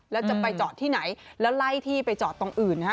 แล้วจะไปจอดที่ไหนแล้วไล่ที่ไปจอดตรงอื่นนะฮะ